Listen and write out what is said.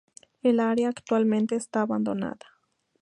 El área actualmente está abandonada.